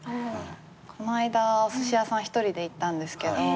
この間おすし屋さん１人で行ったんですけど。